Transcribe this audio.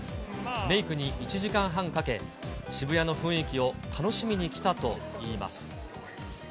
メークに１時間半かけ、渋谷の雰囲気を楽しみに来たといいます。